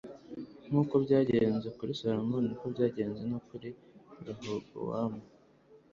nk'uko byagenze kuri salomo, ni ko byagenze no kuri rehobowamu